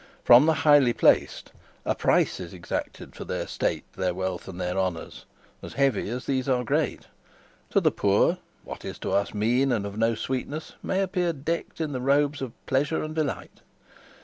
From the highly placed a price is exacted for their state, their wealth, and their honors, as heavy as these are great; to the poor, what is to us mean and of no sweetness may appear decked in the robes of pleasure and delight.